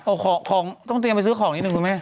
เอาของของต้องเตรียมไปซื้อของนิดนึงคุณแม่